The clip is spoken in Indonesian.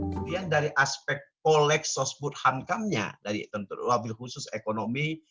kemudian dari aspek koleksosbud hankamnya dari tentu wabil khusus ekonomi